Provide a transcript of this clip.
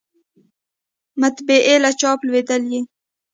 مطبعې له چاپ لویدلې